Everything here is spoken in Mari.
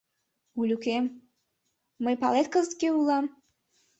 — Улюкем, мый, палет, кызыт кӧ улам?